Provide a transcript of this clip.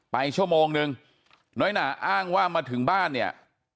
ไปชั่วโมงนึงน้อยหนาอ้างว่ามาถึงบ้านเนี่ย